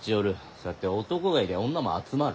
そうやって男がいりゃ女も集まる。